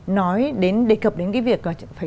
nói đến đề cập đến cái việc